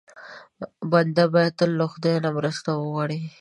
بنده باید تل له خدای ج مرسته وغواړي.